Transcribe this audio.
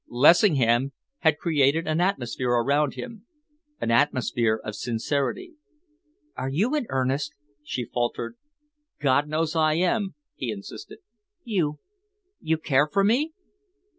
Lessingham had created an atmosphere around him, an atmosphere of sincerity. "Are you in earnest?" she faltered. "God knows I am!" he insisted. "You you care for me?"